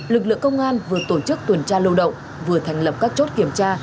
lực lượng công an vừa tổ chức tuần tra lưu động vừa thành lập các chốt kiểm tra